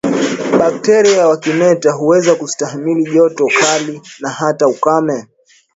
Bakteria wa kimeta huweza kustahimili joto kali na hata ukame